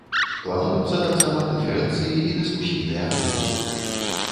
Плануюцца таксама канферэнцыі і дыскусійныя клубы.